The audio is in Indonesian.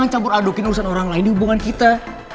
nah ini hubungan kita